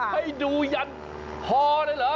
ให้ดูยันคอเลยเหรอ